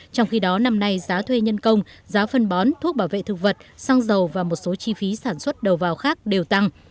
trong khi đó năm nay giá thuê nhân công giá phân bón thuốc bảo vệ thực vật xăng dầu và một số chi phí sản xuất đầu vào khác đều tăng